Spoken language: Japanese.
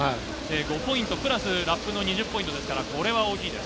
５ポイントプラス、ラップの２０ポイントですから、これは大きいです。